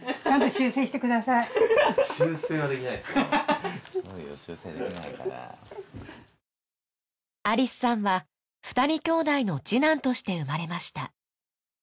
修整できないからありすさんは２人きょうだいの次男として生まれました